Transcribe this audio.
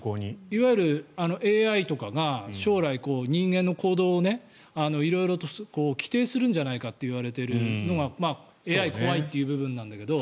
いわゆるＡＩとかが将来、人間の行動を色々と規定するんじゃないかと言われているのがＡＩ怖いという部分なんだけど。